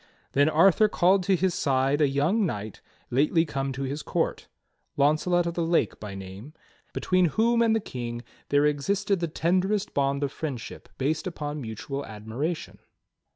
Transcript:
Then Arthur called to his side a young knight lately come to his court — Launcelot of the Lake by name — between whom and the King there 34 THE STORY OF KING ARTHUR existed the tenderest bond of friendship based upon mutual admir ation.